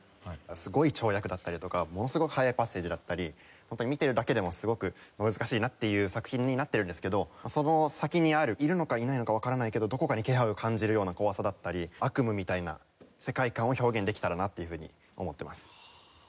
すごい跳躍だったりとかものすごい速いパッセージだったりホントに見てるだけでもすごく難しいなっていう作品になってるんですけどその先にあるいるのかいないのかわからないけどどこかに気配を感じるような怖さだったり悪夢みたいな世界観を表現できたらなっていうふうに思ってます。